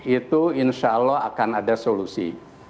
itu insya allah akan ada solusi